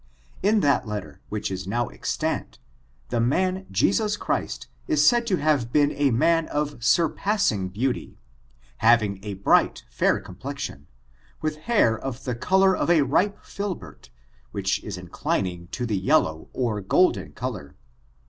In that letter, which is now extant, the man Jesus Christ is said to have been a man of surpassing beauty, having a bright fair com plexion, with hair of the color of a xi^jUhert^ which is inclining to the yellow or golden color.